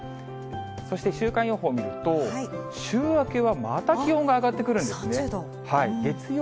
そして週間予報を見ると、週明けはまた気温が上がってくるんですね。